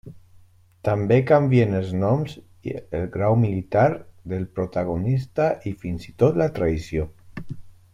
També canvien els noms, el grau militar del protagonista, i fins i tot la traïció.